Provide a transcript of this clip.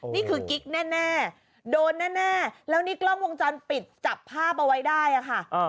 นี่คือกิ๊กแน่โดนแน่แล้วนี่กล้องวงจรปิดจับภาพเอาไว้ได้ค่ะ